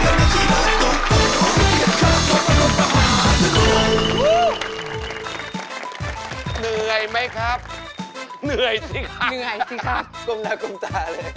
เหนื่อยสิครับผมหนากมตา